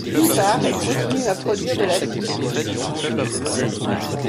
D'une part, elle continue à produire de l'acier.